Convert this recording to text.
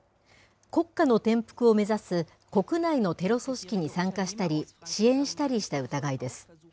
国家の転覆を目指す国内のテロ組織に参加したり、支援したりした疑いです。